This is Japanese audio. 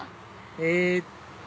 えっと